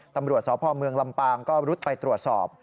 ตำรวจสพเมืองลำปางก็รุดไปตรวจสอบ